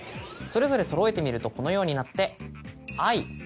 それぞれそろえてみるとこのようになって。